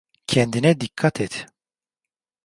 Kendine dikkat et.